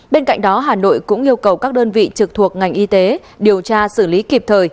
bên cạnh đó hà nội cũng yêu cầu các đơn vị trực thuộc ngành y tế điều tra xử lý kịp thời